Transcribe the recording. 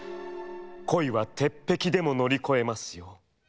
恋は鉄壁でも乗り越えますよ」。